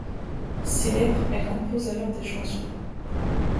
Célèbre, elle compose alors des chansons.